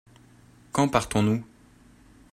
Quand partons-nous ?